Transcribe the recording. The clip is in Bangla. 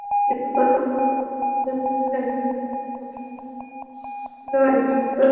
কিন্তু গতকাল অবাধে ভোটকেন্দ্র দখলের ঘটনা ঘটলেও আইনশৃঙ্খলা রক্ষাকারী বাহিনী ছিল নির্বিকার।